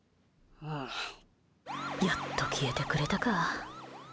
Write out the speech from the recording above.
やっと消えてくれたか。